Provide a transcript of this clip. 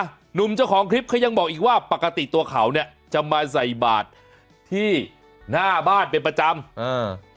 หนุ่มเจ้าของคลิปเขายังบอกอีกว่าปกติตัวเขาเนี้ยจะมาใส่บาทที่หน้าบ้านเป็นประจำอ่า